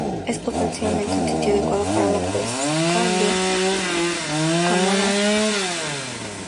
Es potencialmente un sitio adecuado para la pesca del camarón y el demersal fishing.